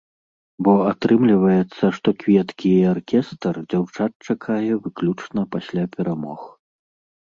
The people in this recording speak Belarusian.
Бо атрымліваецца, што кветкі і аркестр дзяўчат чакае выключна пасля перамог.